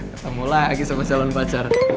ketemu lagi sama calon pacar